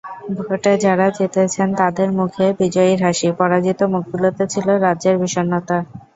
ভোটে যাঁরা জিতেছেন তাঁদের মুখে বিজয়ীর হাসি, পরাজিত মুখগুলোতে ছিল রাজ্যের বিষণ্নতা।